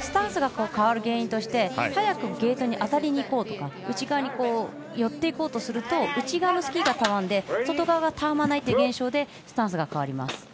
スタンスが変わる原因として早くゲートに当たりにいこうとか内側に寄っていこうとすると内側のスキーがたわんで外側はたわまないという現象で、スタンスが変わります。